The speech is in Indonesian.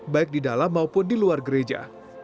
baik di dalam maupun di luar gereja